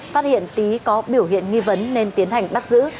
phát hiện tý có biểu hiện nghi vấn nên tiến hành bắt giữ